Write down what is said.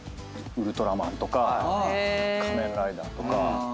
ウルトラマンとか仮面ライダーとか。